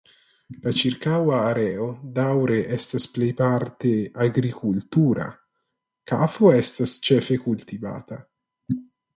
La ĉirkaŭa areo daŭre estas plejparte agrikultura; kafo estas ĉefe kultivata.